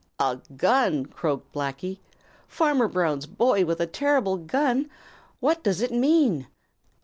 "A gun!" croaked Blacky. "Farmer Brown's boy with a terrible gun! What does it mean?"